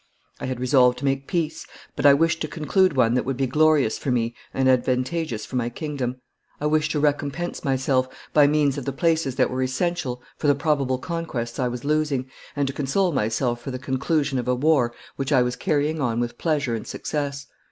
I had resolved to make peace, but I wished to conclude one that would be glorious for me and advantageous for my kingdom. I wished to recompense myself, by means of the places that were essential, for the probable conquests I was losing, and to console myself for the conclusion of a war which I was carrying on with pleasure and success.